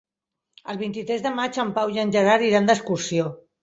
El vint-i-tres de maig en Pau i en Gerard iran d'excursió.